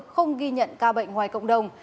không ghi nhận ca bệnh ngoài cộng đồng